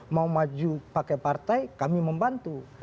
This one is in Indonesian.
mau maju pakai partai kami membantu